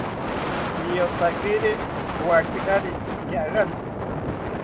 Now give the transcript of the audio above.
Niyotakiri wakirari ñaagantzi